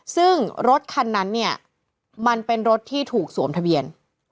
ซึ่งรถคันนั้นเนี่ยมันเป็นรถที่ถูกสวมทะเบียน